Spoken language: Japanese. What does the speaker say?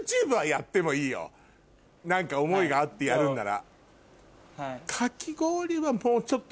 何か思いがあってやるんなら。